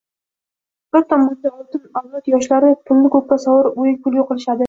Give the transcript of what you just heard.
bir tomonda «oltin avlod yoshlari» pulni ko‘kka sovurib o‘yin kulgu qilishadi...